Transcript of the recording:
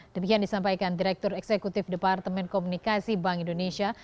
demikian disampaikan direktur eksekutif departemen komunikasi bank indonesia